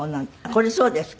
これそうですか？